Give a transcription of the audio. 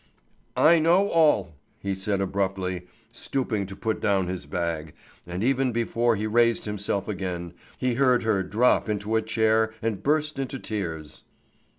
"I know all!" he said abruptly, stooping to put down his bag; and even before he raised himself again, he heard her drop into a chair and burst into tears.